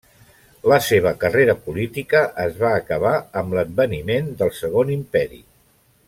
La seva carrera política es va acabar amb l'adveniment del Segon Imperi.